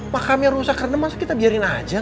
makamnya rusak karena masa kita biarin aja